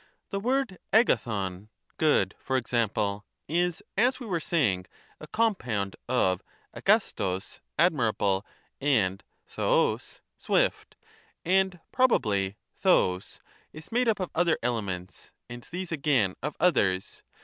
The word ayadbv (good), for example, is, as we were saying, a compound of dyaarbc (admirable) and doog (swift). And probably 6obc is made up of other elements, and these again of others.